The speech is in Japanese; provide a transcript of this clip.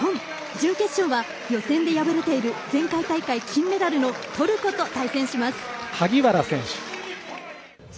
準決勝は予選で敗れている前回大会、金メダルのトルコと対戦します。